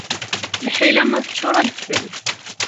Lḥila ma teččuṛ, ad d-tfel.